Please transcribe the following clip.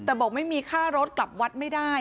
แต่บอกไม่มีค่ารถกลับวัดไม่ได้